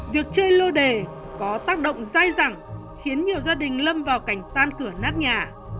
việc chơi lô đề có tác động dài dẳng khiến nhiều gia đình lâm vào cảnh tan cửa nát nhà